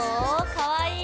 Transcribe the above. かわいい！